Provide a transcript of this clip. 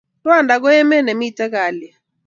Rwanda ko met ne miten kaliet